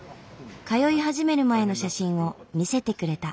通い始める前の写真を見せてくれた。